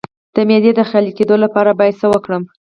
د معدې د خالي کیدو لپاره باید څه وکړم؟